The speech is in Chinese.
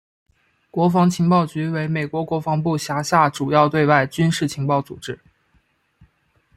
国防情报局为美国国防部辖下主要对外军事情报组织。